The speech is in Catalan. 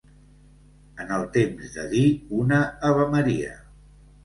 En el temps de dir una avemaria.